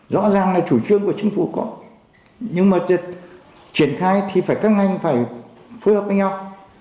rõ ràng là chủ trương của chính phủ có nhưng mà triển khai thì phải các ngành phải phối hợp với nhau